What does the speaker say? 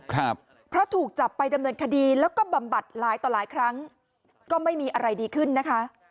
ครับเพราะถูกจับไปดำเนินคดีแล้วก็บำบัดหลายต่อหลายครั้งก็ไม่มีอะไรดีขึ้นนะคะ